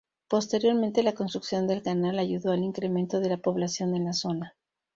Posteriormente la construcción del Canal ayudó al incremento de la población en la zona.